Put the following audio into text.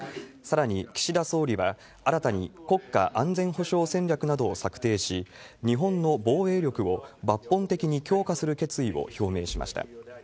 さらに岸田総理は、新たに国家安全保障戦略などを策定し、日本の防衛力を抜本的に強化する決意を表明しました。